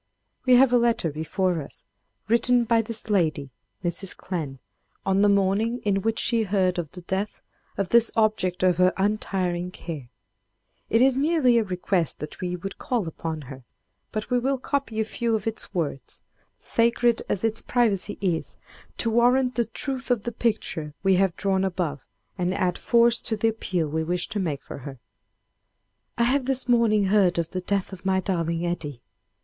We have a letter before us, written by this lady, Mrs. Clemm, on the morning in which she heard of the death of this object of her untiring care. It is merely a request that we would call upon her, but we will copy a few of its words—sacred as its privacy is—to warrant the truth of the picture we have drawn above, and add force to the appeal we wish to make for her: "I have this morning heard of the death of my darling Eddie....